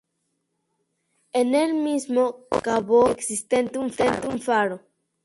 En el mismo cabo existe un faro.